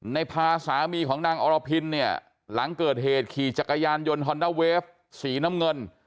ในพาสามีของนางอรพินเนี่ยหลังเกิดเหตุขี่จักรยานยนต์ฮอนด้าเวฟสีน้ำเงิน